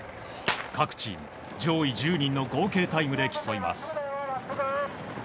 各チーム、上位１０人の合計タイムで競います。